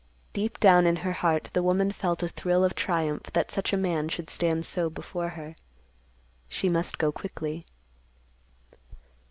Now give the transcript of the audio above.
Deep down in her heart, the woman felt a thrill of triumph that such a man should stand so before her. She must go quickly.